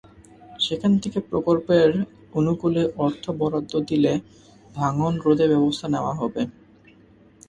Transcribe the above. সেখান থেকে প্রকল্পের অনুকূলে অর্থ বরাদ্দ দিলে ভাঙন রোধে ব্যবস্থা নেওয়া হবে।